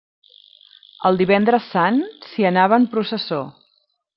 El divendres Sant s'hi anava en processó.